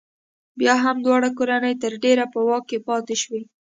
بیا هم دواړه کورنۍ تر ډېره په واک کې پاتې شوې.